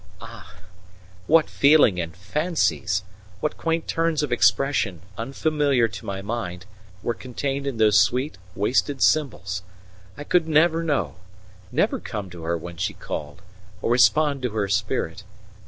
Ah, what feeling and fancies, what quaint turns of expression, unfamiliar to my mind, were contained in those sweet, wasted symbols! I could never know never come to her when she called, or respond to her spirit.